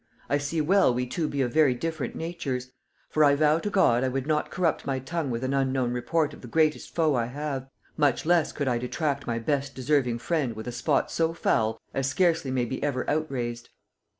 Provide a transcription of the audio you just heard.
I see well we two be of very different natures, for I vow to God I would not corrupt my tongue with an unknown report of the greatest foe I have; much less could I detract my best deserving friend with a spot so foul as scarcely may be ever outrazed.